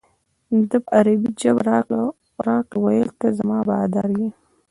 ده په عربي جواب راکړ ویل ته زما بادار یې.